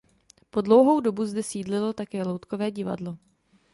Po dlouhou dobu zde sídlilo také loutkové divadlo.